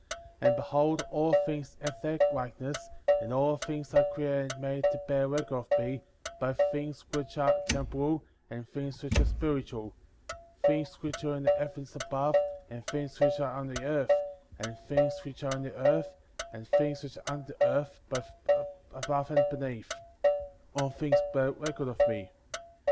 « 63. And behold, all things have their likeness, and all things are created and made to bear record of me, both things which are temporal, and things which are spiritual ; things which are in the heavens above, and things which are on the earth, and things which are in the earth, and things which are under the earth, both above and beneath; all things bear record of me/ 64.